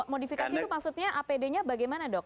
modifikasi itu maksudnya apd nya bagaimana dok